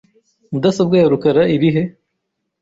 Mudasobwa ya rukara iri he?